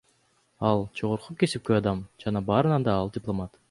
Ал — жогорку кесипкөй адам, жана барынан да ал дипломат.